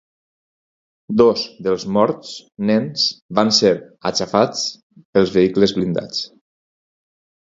Dos dels morts, nens, van ser aixafats pels vehicles blindats.